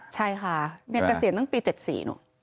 ใช่ค่ะเนี่ยเกษียณตั้งปี๗๔นู่น